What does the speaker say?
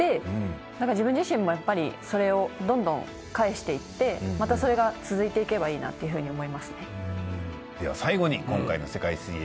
なんか自分自身もやっぱりそれをどんどん返していってまたそれが続いていけばいいなっていうふうに思いますね。